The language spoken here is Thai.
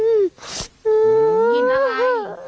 กินอะไร